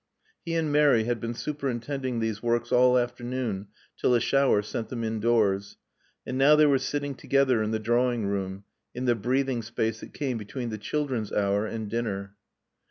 He and Mary had been superintending these works all afternoon till a shower sent them indoors. And now they were sitting together in the drawing room, in the breathing space that came between the children's hour and dinner.